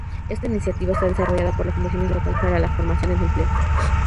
Esta iniciativa está desarrollada por la Fundación Estatal para la Formación en el Empleo.